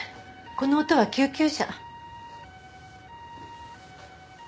この音は救急車。